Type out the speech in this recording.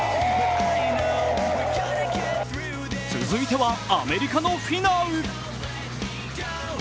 続いては、アメリカのフィナウ。